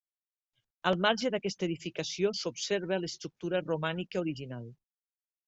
Al marge d'aquesta edificació s'observa l'estructura romànica original.